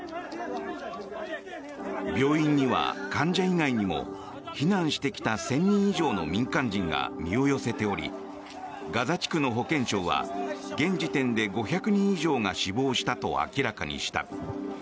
病院には患者以外にも避難してきた１０００人以上の民間人が身を寄せておりガザ地区の保健省は現時点で５００人以上が死亡したと明らかにした。